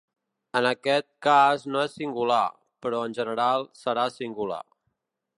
En aquest cas és no singular, però en general serà singular.